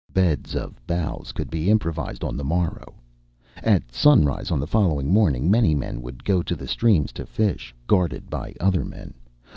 Beds of boughs could be improvised on the morrow. At sunrise on the following morning many men would go to the streams to fish, guarded by other men.